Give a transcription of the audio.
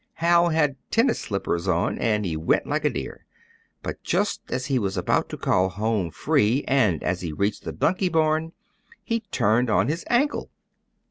Hal had tennis slippers on, and he went like a deer. But just as he was about to call "home free" and as he reached the donkey barn, he turned on his ankle.